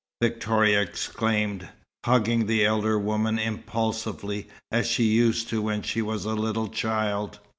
Victoria exclaimed, hugging the elder woman impulsively, as she used when she was a little child.